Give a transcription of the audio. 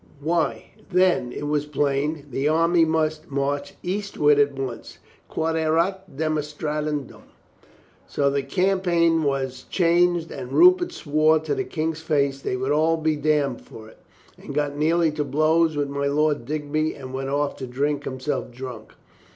Why, then, it was plain the army must march eastward at once. Quod erat demonstran dum. So the campaign was changed and Rupert swore to the King's face they would all be damned for it and got nearly to blows with my Lord Digby and went off to drink himself drunk.